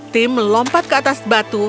tim melompat ke atas batu